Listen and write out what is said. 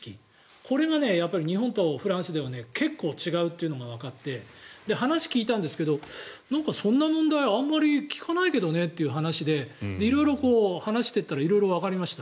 これが日本とフランスでは結構違うっていうのがわかって話を聞いたんですがなんか、そんな問題話聞かないけどねということで色々話していたら色々わかりました。